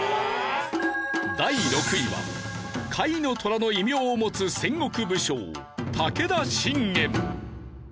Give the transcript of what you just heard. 第６位は「甲斐の虎」の異名を持つ戦国武将武田信玄。